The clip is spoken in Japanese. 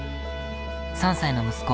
３歳の息子